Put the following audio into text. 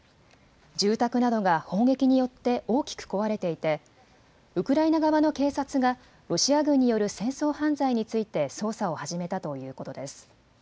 住宅などが砲撃によって大きく壊れていてウクライナ側の警察がロシア軍による戦争犯罪について捜査を始めたということです。